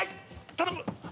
頼む。